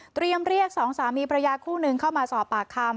เตรียมเรียก๒สามีปราญญาคู่นึงเข้ามาสอบปากคาม